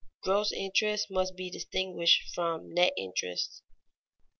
_Gross interest must be distinguished from net interest.